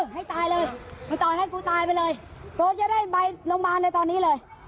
ให้ตายเลยมึงต่อยให้กูตายไปเลยกูจะได้ไปโรงพยาบาลเลยตอนนี้เลย